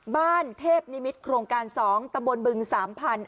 บ้านเทพนิมิตโครงการ๒ตะบลบึงสามพันธุ์